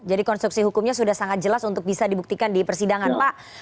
jadi konstruksi hukumnya sudah sangat jelas untuk bisa dibuktikan di persidangan pak